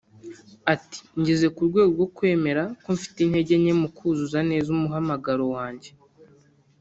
Ati “Ngeze ku rwego rwo kwemera ko mfite intege nke mu kuzuza neza umuhamagaro wanjye